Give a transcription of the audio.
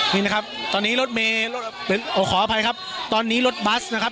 นี่นะครับตอนนี้รถเมย์ขออภัยครับตอนนี้รถบัสนะครับ